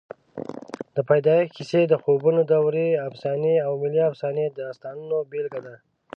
د پیدایښت کیسې، د خوبونو دورې افسانې او ملي افسانې د داستانونو بېلګې دي.